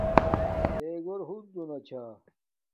تے گھور ہنزو نا چھا